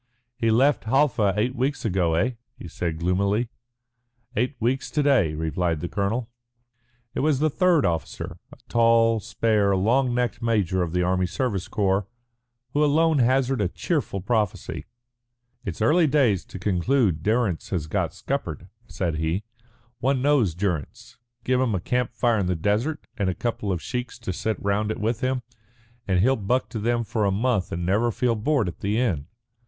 "He left Halfa eight weeks ago, eh?" he said gloomily. "Eight weeks to day," replied the colonel. It was the third officer, a tall, spare, long necked major of the Army Service Corps, who alone hazarded a cheerful prophecy. "It's early days to conclude Durrance has got scuppered," said he. "One knows Durrance. Give him a camp fire in the desert, and a couple of sheiks to sit round it with him, and he'll buck to them for a month and never feel bored at the end.